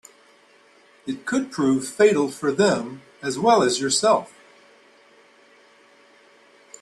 It could prove fatal for them as well as yourself.